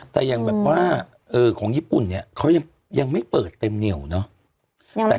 แต่อย่างแบบว่าของญี่ปุ่นเนี่ยเขายังไม่เปิดเต็มเหนียวเนอะ